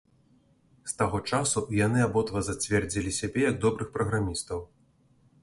З таго часу, яны абодва зацвердзілі сябе як добрых праграмістаў.